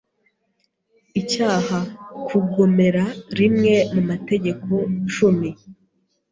icyaha kugomera rimwe mu mategeko cumi